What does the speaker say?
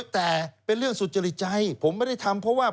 แต่เป็นเรื่องสุจริตใจผมไม่ได้ทำเพราะว่า